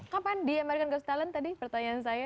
kapan di american gods talent tadi pertanyaan saya